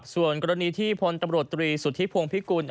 ส่วนกรณีที่พลตำรวจตรีสุธิพวงพิกุล